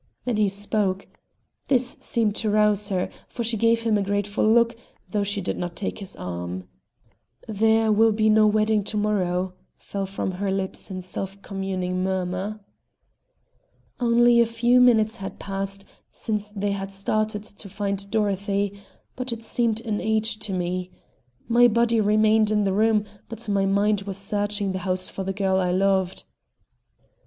Then he spoke. This seemed to rouse her, for she gave him a grateful look, though she did not take his arm. "There will be no wedding to morrow," fell from her lips in self communing murmur. Only a few minutes had passed since they had started to find Dorothy, but it seemed an age to me. My body remained in the room, but my mind was searching the house for the girl I loved.